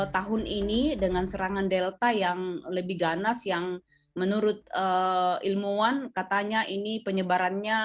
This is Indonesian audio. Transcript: tahun ini dengan serangan delta yang lebih ganas yang menurut ilmuwan katanya ini penyebarannya